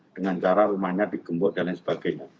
dengan cara rumahnya digembok dan lain sebagainya